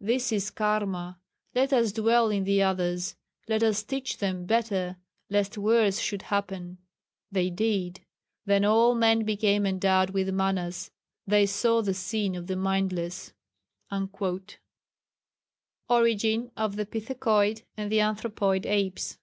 This is Karma. Let us dwell in the others. Let us teach them better lest worse should happen.' They did. "Then all men became endowed with Manas. They saw the sin of the mindless." [Sidenote: Origin of the Pithecoid and the Anthropoid Apes.